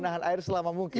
menahan air selama mungkin